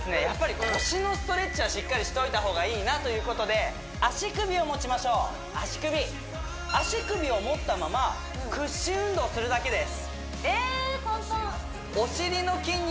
やっぱり腰のストレッチはしっかりしといた方がいいなということで足首を持ちましょう足首足首を持ったまま屈伸運動するだけですえ